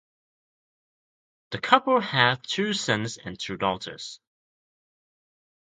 The couple had two sons and two daughters.